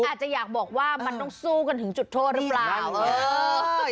ไม่อาจจะอยากบอกว่ามันต้องสู้กันถึงจุดโทษหรือเปล่านี่แบบนั้น